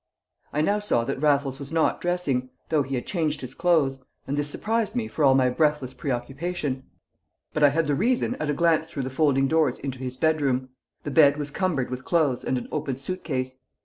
I now saw that Raffles was not dressing, though he had changed his clothes, and this surprised me for all my breathless preoccupation. But I had the reason at a glance through the folding doors into his bedroom. The bed was cumbered with clothes and an open suit case.